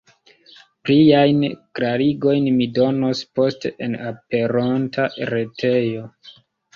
Pliajn klarigojn mi donos poste en aperonta retejo.